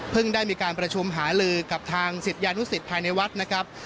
ได้มีการประชุมหาลือกับทางศิษยานุสิตภายในวัดนะครับ